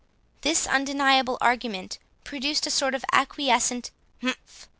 This undeniable argument produced a sort of acquiescent umph!